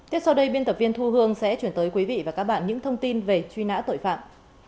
tiếp sau đây biên tập viên thu hương sẽ chuyển tới quý vị và các bạn những thông tin về truy nã tội phạm